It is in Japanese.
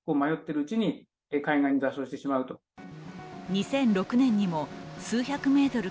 ２００６年にも数百メートル